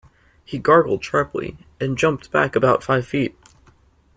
He gargled sharply, and jumped back about five feet.